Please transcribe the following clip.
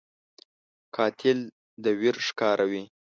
قاتل د ویر ښکاروي